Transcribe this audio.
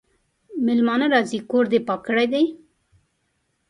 مېلمانه راځي کور دي پاک کړی دی؟